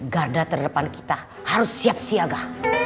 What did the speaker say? garda terdepan kita harus siap siaga